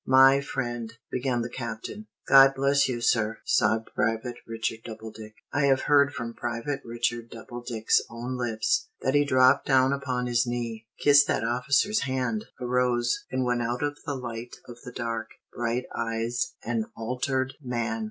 "My friend " began the Captain. "God bless you, sir!" sobbed Private Richard Doubledick. I have heard from Private Richard Doubledick's own lips, that he dropped down upon his knee, kissed that officer's hand, arose, and went out of the light of the dark, bright eyes, an altered man.